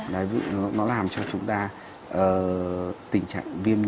nó làm cho chúng ta tình trạng viêm nặng nó làm cho chúng ta tình trạng viêm nặng